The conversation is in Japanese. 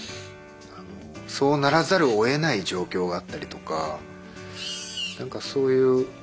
そうならざるをえない状況があったりとかなんかそういう。